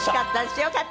よかった！